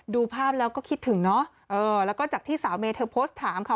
ดูภาพแล้วก็คิดถึงเนอะเออแล้วก็จากที่สาวเมย์เธอโพสต์ถามค่ะ